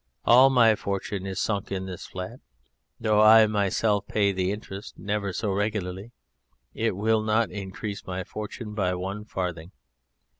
All my fortune is sunk in this flat, though I myself pay the interest never so regularly, it will not increase my fortune by one farthing!